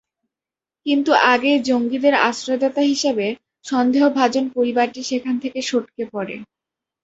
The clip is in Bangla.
কিন্তু আগেই জঙ্গিদের আশ্রয়দাতা হিসেবে সন্দেহভাজন পরিবারটি সেখান থেকে সটকে পড়ে।